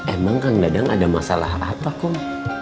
emang kang dadang ada masalah apa kom